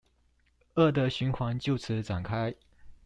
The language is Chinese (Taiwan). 惡的循環就此展開